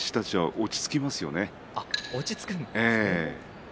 落ち着くんですね。